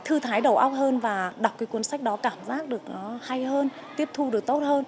thư thái đầu óc hơn và đọc cái cuốn sách đó cảm giác được nó hay hơn tiết thu được tốt hơn